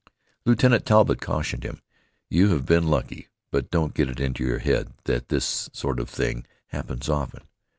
Lieutenant Talbott cautioned him. "You have been lucky, but don't get it into your head that this sort of thing happens often.